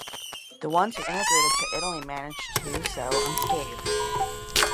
The ones who emigrated to Italy managed to so unscathed.